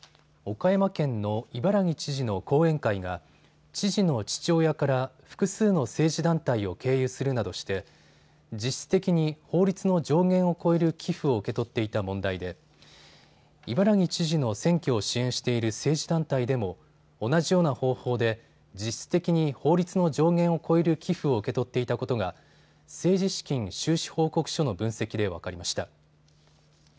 岡山県の伊原木知事の後援会が知事の父親から複数の政治団体を経由するなどして実質的に法律の上限を超える寄付を受け取っていた問題で伊原木知事の選挙を支援している政治団体でも同じような方法で実質的に法律の上限を超える寄付を受け取っていたことが政治資金収支報告書の分析で分かりました。